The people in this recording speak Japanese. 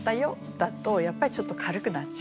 だとやっぱりちょっと軽くなっちゃう。